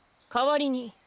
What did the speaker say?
かわりに。